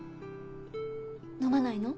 飲まないの？